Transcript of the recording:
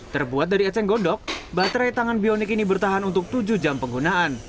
terbuat dari eceng gondok baterai tangan bionik ini bertahan untuk tujuh jam penggunaan